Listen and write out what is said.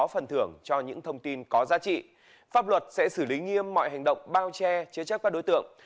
pháp luật sẽ xử lý nghiêm mọi hành động bao che chế chấp các đối tượng